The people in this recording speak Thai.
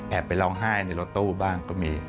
ไปร้องไห้ในรถตู้บ้างก็มี